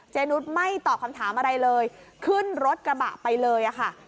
นุษย์ไม่ตอบคำถามอะไรเลยขึ้นรถกระบะไปเลยค่ะ